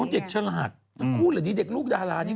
น้องเด็กฉลาดคู่เหลือดีเด็กลูกดารานี่